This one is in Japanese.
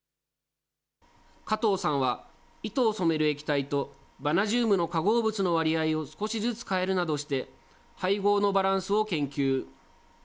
加藤さんは、糸を染める液体とバナジウムの化合物の割合を少しずつ変えるなどとして、配合のバランスを研究。